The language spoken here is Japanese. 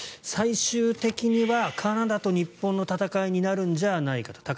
最終的にはカナダと日本の戦いになるんじゃないかと。